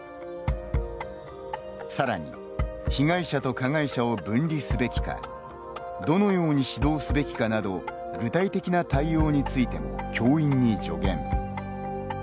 さらに被害者と加害者を分離すべきかどのように指導すべきかなど具体的な対応についても教員に助言。